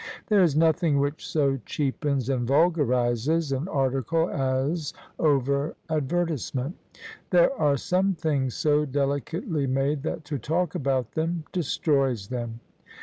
There is nothing which so cheapens and vulgarises an article as over advertisement: there are some things so deli cately made that to talk about them destroys them.